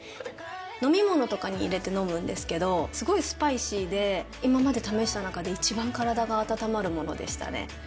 飲み物とかに入れて飲むんですけどすごいスパイシーで今まで試した中で一番体が温まるものでしたね。